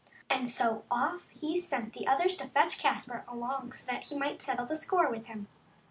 And so off he sent the others to fetch Caspar along so that he might settle the score with him.